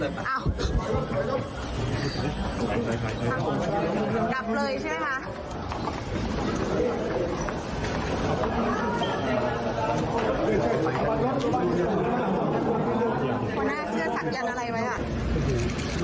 อ้าว